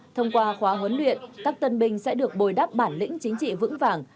thông qua khóa huấn luyện các tân binh sẽ được bồi đắp bản lĩnh chính trị vững vàng